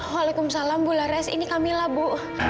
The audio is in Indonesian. waalaikumsalam bu lares ini camillah bu